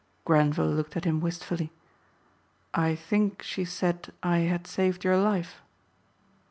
Grenvil looked at him wistfully, "I think she said I had saved your life."